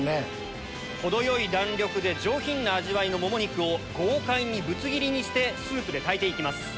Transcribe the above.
程よい弾力で上品な味わいのもも肉を豪快にぶつ切りにしてスープで炊いて行きます。